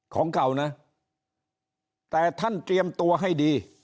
ของเก่านะแต่ท่านเตรียมตัวให้ดี